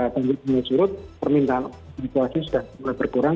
kami menurut permintaan evakuasi sudah mulai berkurang